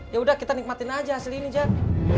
yaudah kita nikmatin aja hasil ini zak